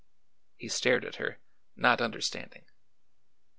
He stared at her, not understanding.